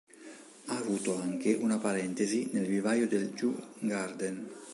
Ha avuto anche una parentesi nel vivaio del Djurgården.